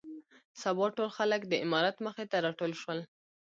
سبا ټول خلک د امارت مخې ته راټول شول.